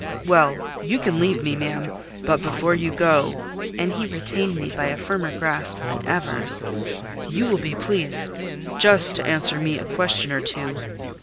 "Well, you can leave me, ma'am: but before you go" (and he retained me by a firmer grasp than ever), "you will be pleased just to answer me a question or two."